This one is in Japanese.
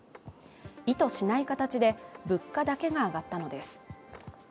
意図しない形で物価だけが上がったのです。